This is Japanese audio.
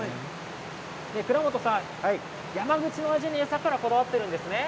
倉本さん、山口の味にこだわっているんですね。